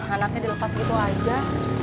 anaknya dilepas gitu aja